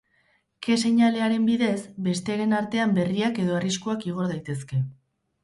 Ke-seinalearen bidez, besteren artean berriak edo arriskuak igor daitezke.